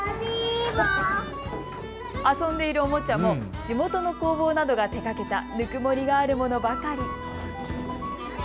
遊んでいるおもちゃも地元の工房などが手がけたぬくもりがあるものばかり。